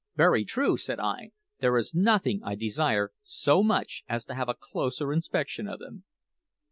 "Very true," said I. "There is nothing I desire so much as to have a closer inspection of them."